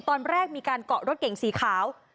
ตอนแรกมีการเกาะรถเก่งสีขาว